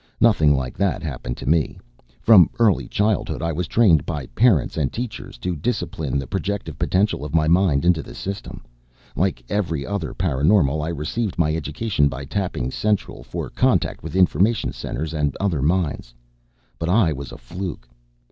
Nothing like that happened to me. From early childhood I was trained by parents and teachers to discipline the projective potential of my mind into the System. Like every other paraNormal, I received my education by tapping Central for contact with information centers and other minds. But I was a fluke."